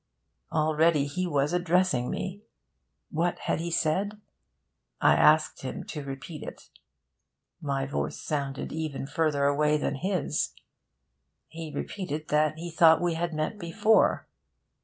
Already he was addressing me... What had he said? I asked him to repeat it. My voice sounded even further away than his. He repeated that he thought we had met before.